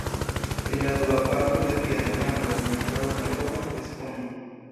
Pri la dua parto de via demando mi ankoraŭ ne povas respondi.